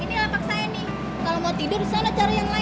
inilah paksa ini kalau mau tidur di sana cari yang lain